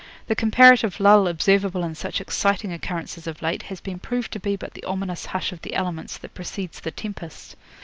The comparative lull observable in such exciting occurrences of late has been proved to be but the ominous hush of the elements that precedes the tempest.